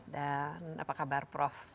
dan apa kabar prof